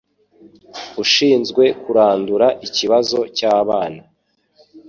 ushinzwe kurandura ikibazo cy'abana